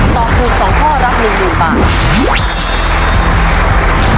ตอบถูก๒ข้อรับ๑๐๐๐บาท